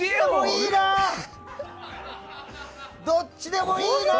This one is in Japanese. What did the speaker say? どっちでもいいな。